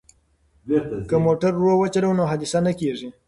که موټر ورو وچلوو نو حادثه نه کیږي.